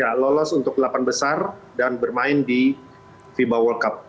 ya lolos untuk delapan besar dan bermain di fiba world cup